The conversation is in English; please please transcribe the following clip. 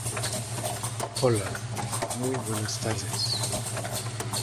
Sephardi charoset is a paste made of raisins, figs and dates.